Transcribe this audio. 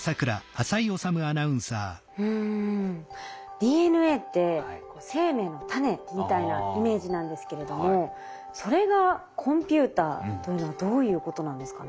ＤＮＡって生命の種みたいなイメージなんですけれどもそれがコンピューターというのはどういうことなんですかね。